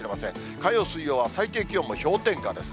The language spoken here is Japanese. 火曜、水曜は最低気温も氷点下ですね。